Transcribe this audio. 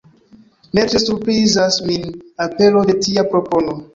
Ne tre surprizas min apero de tia propono.